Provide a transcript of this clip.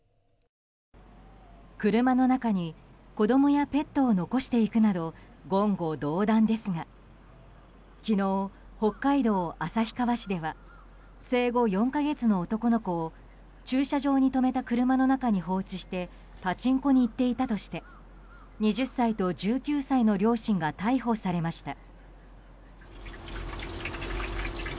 車の中に子供やペットを残していくなど言語道断ですが昨日、北海道旭川市では生後４か月の男の子を駐車場に止めた車の中に放置してパチンコに行っていたとして２０歳と１９歳の両親が逮捕されました。